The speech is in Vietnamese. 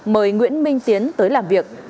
mời nguyễn minh tiến tới làm việc